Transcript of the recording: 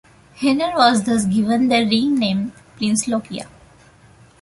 Hayner was thus given the ring name "Prince Iaukea".